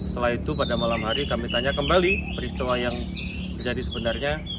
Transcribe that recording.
setelah itu pada malam hari kami tanya kembali peristiwa yang terjadi sebenarnya